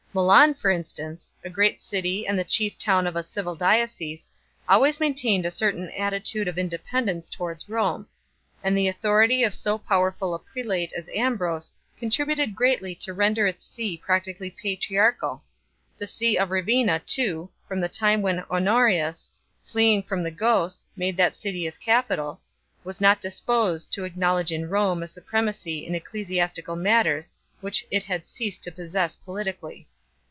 Milan, for instance, a great city and the chief town of a civil diocese, always maintained a certain attitude of in dependence towards Rome, and the authority of so power ful a prelate as Ambrose contributed greatly to render its see practically patriarchal. The see of Ravenna, too, from the time when Honorius, fleeing from the Goths, made that city his capital, was not disposed to acknow ledge in Rome a supremacy in ecclesiastical matters which it had ceased to possess politically.